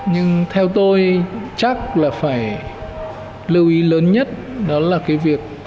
nhưng theo tôi chắc là phải lưu ý lớn nhất đó là cái việc